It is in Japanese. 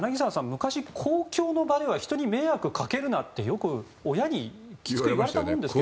昔、公共の場では人に迷惑をかけるなってよく親にきつく言われたもんですけどね。